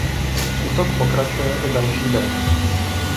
Útok pokračuje i další den.